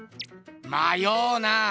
まようなあ。